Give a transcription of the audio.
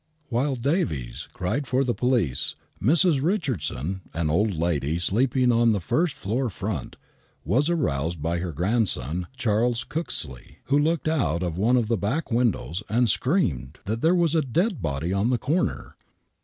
While Davies cried for the police Mrs. Richardson, an old lady sleeping on the first floor front, was aroused by her grandson, Charles Cooksley, who looked out of one of the back windows and screamed that there was a dead body in the corner.